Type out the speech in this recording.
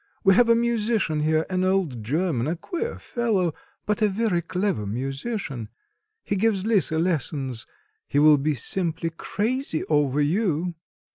We have a musician here, an old German, a queer fellow, but a very clever musician. He gives Lisa lessons. He will be simply crazy over you."